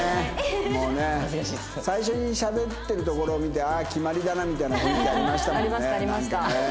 もうね最初にしゃべってるところを見てああ決まりだなみたいな雰囲気ありましたもんねなんかね。